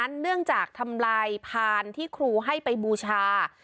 เนื่องจากทำลายพานที่ครูให้ไปบูชา